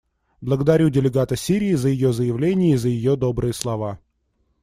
Благодарю делегата Сирии за ее заявление и за ее добрые слова.